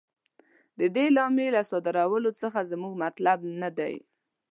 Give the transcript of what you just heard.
د دې اعلامیې له صادرولو څخه زموږ مطلب نه دی.